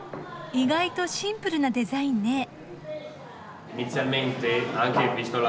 意外とシンプルなデザインね。